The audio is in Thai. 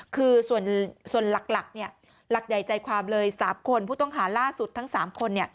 คือส่วนหลักหลักใหญ่ใจความเลย๓คนผู้ต้องหาล่าสุดทั้ง๓คน